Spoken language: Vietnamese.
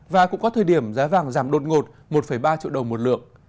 và cũng có thời điểm giá vàng giảm đột ngột một ba triệu đồng một lượng